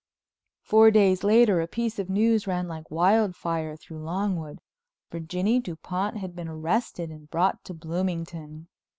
Four days later a piece of news ran like wildfire through Longwood: Virginie Dupont had been arrested and brought to Bloomington.